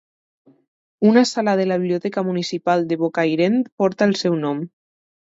Una sala de la Biblioteca Municipal de Bocairent porta el seu nom.